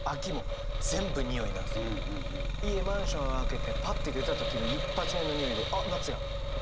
家マンション開けてパッて出た時の一発目のにおいであっ夏やとか。